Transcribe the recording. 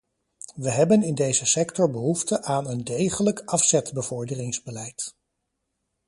We hebben in deze sector behoefte aan een degelijk afzetbevorderingsbeleid.